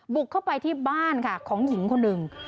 บุกเข้าไปที่บ้านค่ะของหญิงคนหนึ่ง